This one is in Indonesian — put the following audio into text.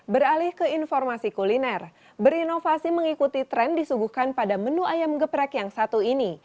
beralih ke informasi kuliner berinovasi mengikuti tren disuguhkan pada menu ayam geprek yang satu ini